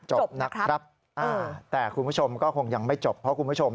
จบนะครับแต่คุณผู้ชมก็คงยังไม่จบเพราะคุณผู้ชม